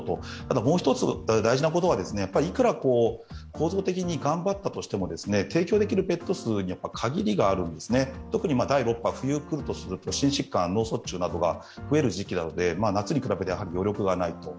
もう一つ大事なことはいくら構造的に頑張ったとしても提供できるベッド数には限りがあるんですね、特に第６波、冬に来るとすると心疾患、脳卒中が増える時期なので夏に比べて余力がない。